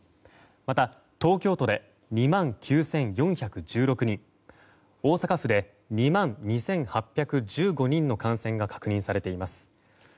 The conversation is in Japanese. また東京都で２万９４１６人大阪府で２万２８１５人の感染が確認されています。